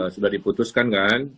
sudah diputuskan kan